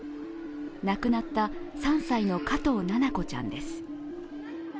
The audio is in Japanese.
亡くなった３歳の加藤七菜子ちゃんです。